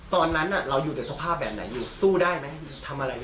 ตอนนั้นเราอยู่ในสภาพแบบไหนอยู่สู้ได้ไหมทำอะไร